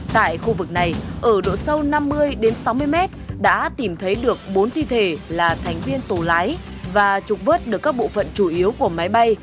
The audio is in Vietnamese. tại khu vực này ở độ sâu năm mươi sáu mươi mét đã tìm thấy được bốn thi thể là thành viên tổ lái và trục vớt được các bộ phận chủ yếu của máy bay